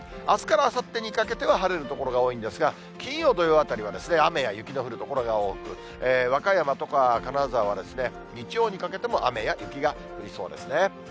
あすからあさってにかけては、晴れる所が多いんですが、金曜、土曜あたりはですね、雨や雪の降る所が多く、和歌山とか金沢ですね、日曜にかけても、雨や雪が降りそうですね。